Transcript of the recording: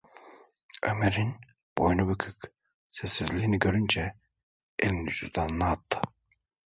Ömer’in boynu bükük sessizliğini görünce elini cüzdanına attı.